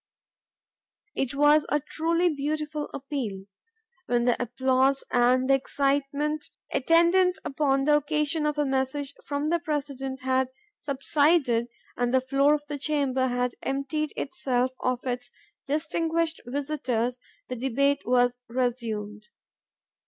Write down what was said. It was a truly beautiful appeal. When the applause and the excitement attendant upon the occasion of a message from the President had subsided, and the floor of the chamber had emptied itself of its distinguished visitors, the debate was resumed.